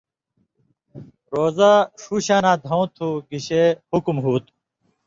روزہ سو شاناں دھؤں تُھو گِشے حُکم ہُو تُھو